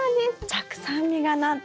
たくさん実がなって。